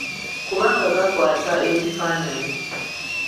Kubanga gakwata ebifaananyi.